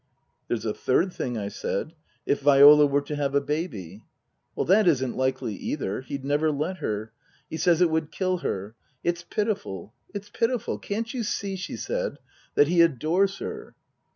" There's a third thing," I said " if Viola were to have a baby." " That isn't likely either. He'd never let her. He says it would kill her. It's pitiful, it's pitiful. Can't you see," she said, " that he adores her